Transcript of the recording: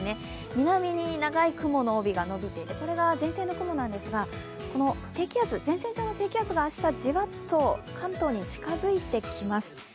南に長い雲の帯が伸びていて、これが前線の雲なんですが、この前線上の低気圧が明日、じわっと関東に近づいてきます。